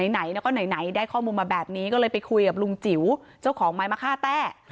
ไหนแล้วก็ไหนได้ข้อมูลมาแบบนี้ก็เลยไปคุยกับลุงจิ๋วเจ้าของไม้มะค่าแต้